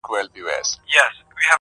پيرې مريد دې يمه پيرې ستا پيري کومه